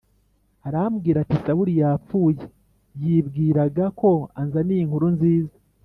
arambwira ati ‘Sawuli yapfuye’, yibwiraga ko anzaniye inkuru nziza